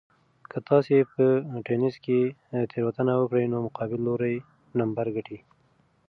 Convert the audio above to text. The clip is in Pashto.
که تاسي په تېنس کې تېروتنه وکړئ نو مقابل لوری نمبر ګټي.